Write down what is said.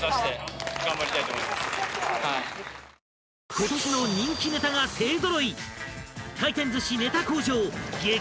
［今年の人気ネタが勢揃い！］